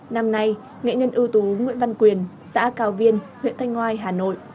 năm nay nghệ nhân ưu tú nguyễn văn quyền xã cao viên huyện thanh ngoai hà nội